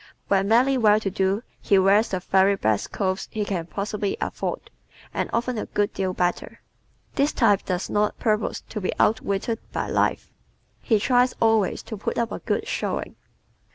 When merely well to do he wears the very best clothes he can possibly afford, and often a good deal better. This type does not purpose to be outwitted by life. He tries always to put up a good showing.